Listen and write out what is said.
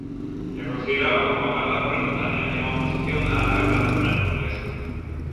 E a consideraba como a garda proletaria, en oposición á Garda Nacional burguesa.